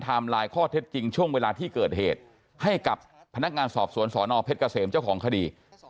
ไลน์ข้อเท็จจริงช่วงเวลาที่เกิดเหตุให้กับพนักงานสอบสวนสอนอเพชรเกษมเจ้าของคดี